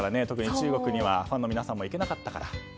特に中国にはファンの皆さんも行けなかったから。